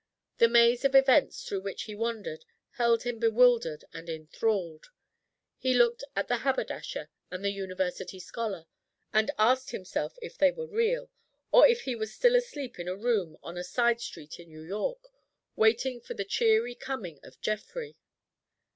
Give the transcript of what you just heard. The maze of events through which he wandered held him bewildered and enthralled. He looked at the haberdasher and the university scholar and asked himself if they were real, or if he was still asleep in a room on a side street in New York, waiting for the cheery coming of Geoffrey.